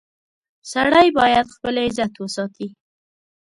• سړی باید خپل عزت وساتي.